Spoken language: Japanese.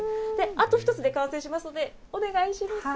あと１つで完成しますので、お願いします。